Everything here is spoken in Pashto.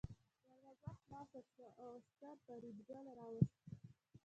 دروازه خلاصه شوه او عسکر فریدګل راوست